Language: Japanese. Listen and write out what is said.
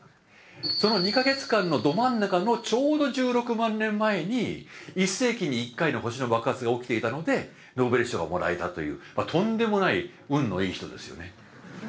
その２か月間のど真ん中のちょうど１６万年前に１世紀に１回の星の爆発が起きていたのでノーベル賞がもらえたというとんでもない運のいい人ですよね。